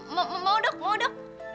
mau dok mau dok